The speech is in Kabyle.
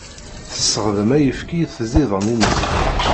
Tessexdam ayefki i tẓidanin-nni.